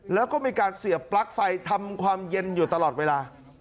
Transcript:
แล้วก็มีการเสียบปลั๊กไฟทำความเย็นอยู่ตลอดเวลา